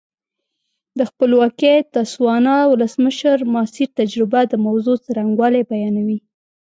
د خپلواکې تسوانا ولسمشر ماسیر تجربه د موضوع څرنګوالی بیانوي.